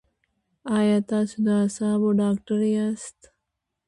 ایا تاسو د اعصابو ډاکټر یاست؟